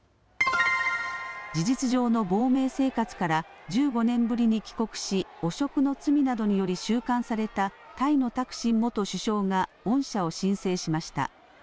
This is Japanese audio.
事実上の亡命生活から１５年ぶりに帰国し汚職の罪などにより収監されたタイのタクシン元首相が恩赦を申請しました。